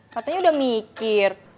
katanya udah mikir